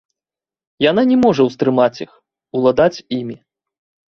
Яна не можа ўстрымаць іх, уладаць імі.